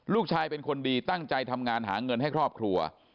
ลูกชายเป็นคนดีตั้งใจทำงานหาเงินให้ครอบครัว